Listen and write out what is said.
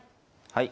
はい。